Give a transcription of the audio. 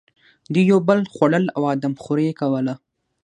دوی یو بل خوړل او آدم خوري یې کوله.